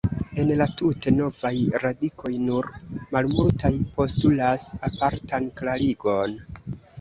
El la tute novaj radikoj, nur malmultaj postulas apartan klarigon.